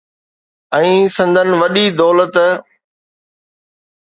۽ سندن وڏي دولت.